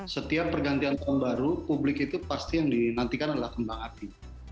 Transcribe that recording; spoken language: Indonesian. setiap pergantian tahun baru publik itu pasti yang dinantikan adalah kembang api